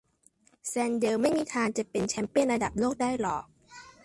แซนเดลไม่มีทางจะเป็นแชมเปี้ยนระดับโลกได้หรอก